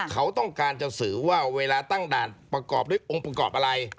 เขาต้องการจะสื่อว่าเวลาตั้งด่านประกอบด้วยองค์ประกอบอะไร